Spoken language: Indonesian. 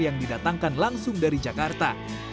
yang didatangkan langsung dari jakarta